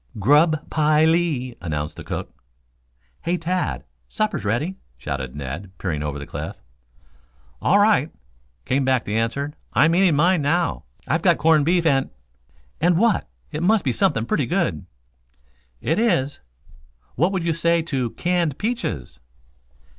"Grub pi i i lee!" announced the cook. "Hey, Tad, supper's ready," shouted Ned, peering over the cliff. "All right," came back the answer. "I'm eating mine now. I've got corned beef and " "And what? It must be something pretty good." "It is. What would you say to canned peaches?"